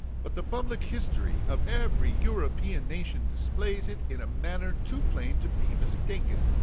But the public history of every European nation displays it in a manner too plain to be mistaken.